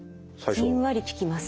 じんわり効きます。